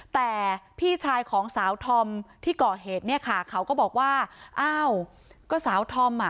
แต่พี่ชายของสาวธอมที่ก่อเหตุเนี่ยค่ะเขาก็บอกว่าอ้าวก็สาวธอมอ่ะ